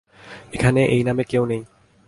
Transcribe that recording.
এখানে এই নামে কেউ নেই।